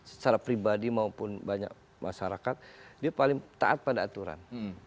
secara pribadi maupun banyak masyarakat dia paling taat pada aturan